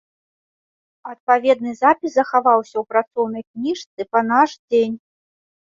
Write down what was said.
Адпаведны запіс захаваўся ў працоўнай кніжцы па наш дзень.